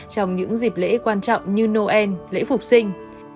trong những dịp lễ quan trọng như noel lễ phục sinh